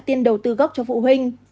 tiền đầu tư gốc cho phụ huynh